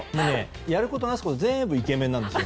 やることなすこと全部イケメンなんですよ。